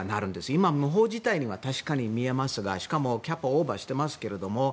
今、無法地帯には確かに見えますが、しかもキャパオーバーをしてますが。